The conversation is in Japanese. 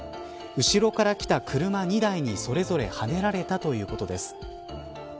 後ろから来た車２台に、それぞれはねられたということです。